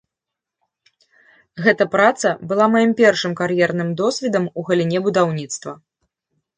Гэта праца была маім першым кар'ерным досведам у галіне будаўніцтва.